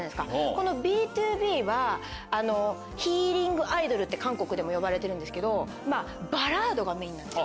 このＢＴＯＢはヒーリングアイドルって韓国でも呼ばれてるんですけどバラードがメインなんです。